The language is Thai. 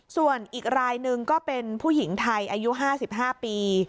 ส่วนอีกรายหนึ่งก็เป็นผู้หญิงไทยอายุ๕๕ปี